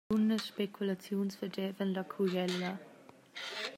Plunas speculaziuns fagevan la currella.